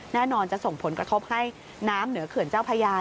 แน่นอนจะส่งผลกระทบให้น้ำเหนือเขื่อนเจ้าพญา